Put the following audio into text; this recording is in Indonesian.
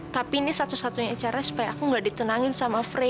tapi ini satu satunya caranya supaya aku gak ditunangin sama fre